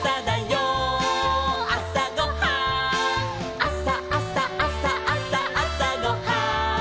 「あさあさあさあさあさごはん」